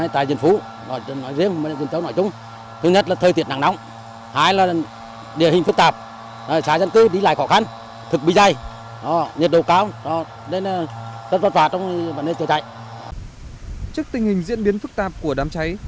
trước tình hình diễn biến phức tạp của đám cháy